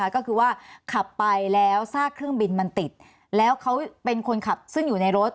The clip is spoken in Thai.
ก็คือว่าขับไปแล้วซากเครื่องบินมันติดแล้วเขาเป็นคนขับซึ่งอยู่ในรถ